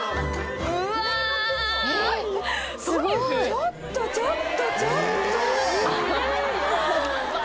ちょっとちょっとちょっと。